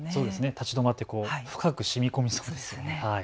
立ち止まって深くしみこみそうですよね。